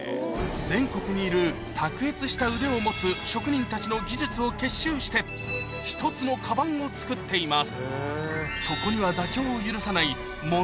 全国にいる卓越した腕を持つ職人たちの技術を結集して１つのカバンを作っています